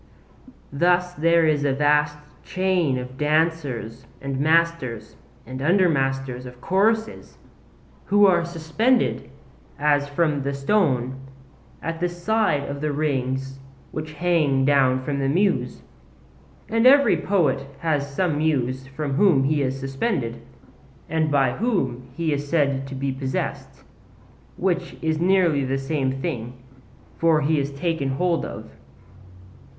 Thus there is a vast chain of dancers and masters and under masters of choruses, who are suspended, as if from the stone, at the side of the rings which hang down from the Muse. And every poet has some Muse from whom he is suspended, and by whom he is said to be possessed, which is nearly the same thing; for he is taken hold of.